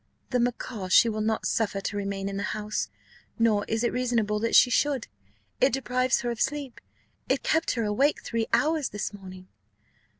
"The macaw she will not suffer to remain in the house, nor is it reasonable that she should: it deprives her of sleep it kept her awake three hours this morning."